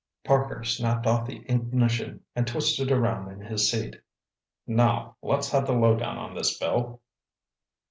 Parker snapped off the ignition and twisted around in his seat. "Now let's have the lowdown on this, Bill."